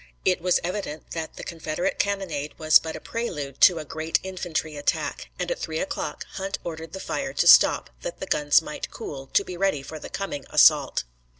It was evident that the Confederate cannonade was but a prelude to a great infantry attack, and at three o'clock Hunt ordered the fire to stop, that the guns might cool, to be ready for the coming assault.